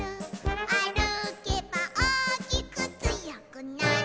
「あるけばおおきくつよくなる」